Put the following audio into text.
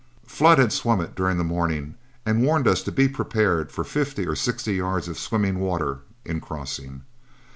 Flood had swum it during the morning, and warned us to be prepared for fifty or sixty yards of swimming water in crossing.